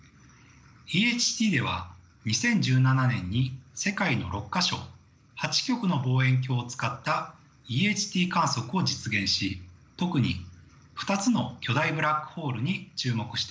ＥＨＴでは２０１７年に世界の６か所８局の望遠鏡を使ったＥＨＴ観測を実現し特に２つの巨大ブラックホールに注目していました。